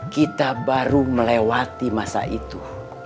kita baru melewati masa itu